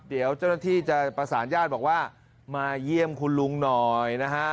เดี๋ยวเจ้าหน้าที่จะประสานญาติบอกว่ามาเยี่ยมคุณลุงหน่อยนะฮะ